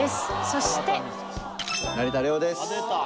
そして成田凌です